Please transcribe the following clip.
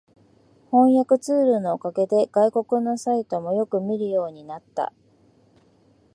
翻訳ツールのおかげで外国のサイトもよく見るようになった